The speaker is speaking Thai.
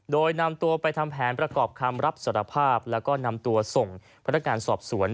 โดยนำตัวไปทำแผนประกอบคำรับสารภาพแล้วก็นำตัวส่งพนักงานสอบสวน